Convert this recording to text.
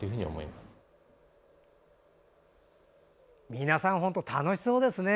皆さん本当に楽しそうですね。